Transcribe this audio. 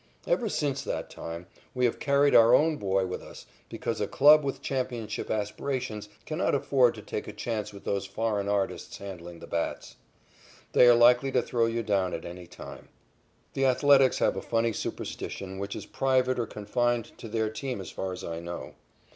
Ever since that time we have carried our own boy with us, because a club with championship aspirations cannot afford to take a chance with those foreign artists handling the bats. They are likely to throw you down at any time. The Athletics have a funny superstition which is private or confined to their team as far as I know.